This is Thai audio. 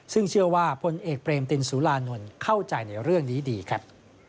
ซึ่งเชื่อว่าพลเอกเปรมตินสุรานนท์เข้าใจในเรื่องนี้ดีครับ